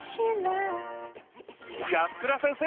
安倉先生